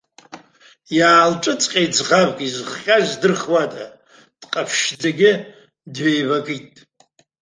Иаалҿыҵҟьеит ӡӷабк, изыхҟьаз здырхуада, дҟаԥшьшьӡагьы дҩеибакит.